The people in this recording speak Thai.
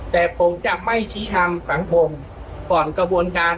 แต่ผมจะไม่ชี้ทางสังคมก่อนกระบวนการ